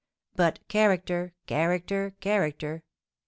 But character—character—character!